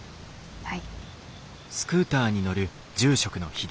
はい。